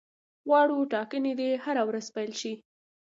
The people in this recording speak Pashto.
غواړو ټاکنې دي هره ورځ پیل شي.